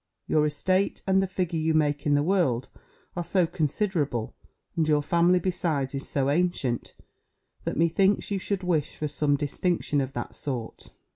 Your estate, and the figure you make in the world, are so considerable, and your family besides is so ancient, that, methinks, you should wish for some distinction of that sort."